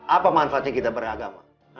apa manfaatnya kita beragama